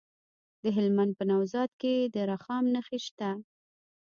د هلمند په نوزاد کې د رخام نښې شته.